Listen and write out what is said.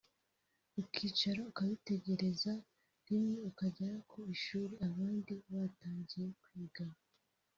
ukicara ukabitegereza rimwe ukagera ku ishuri abandi batangiye kwiga